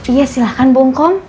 iya silahkan bu ngom